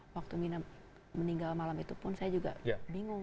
waktu mina meninggal malam itu pun saya juga bingung